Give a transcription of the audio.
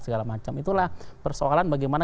segala macam itulah persoalan bagaimana